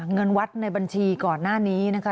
เงินวัดในบัญชีก่อนหน้านี้นะคะ